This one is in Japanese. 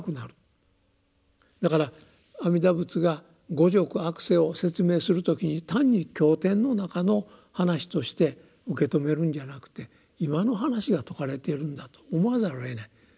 だから阿弥陀仏が五濁悪世を説明する時に単に経典の中の話として受け止めるんじゃなくて今の話が説かれているんだと思わざるをえない。